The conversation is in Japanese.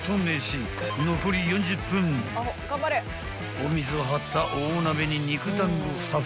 ［お水を張った大鍋に肉だんご２袋］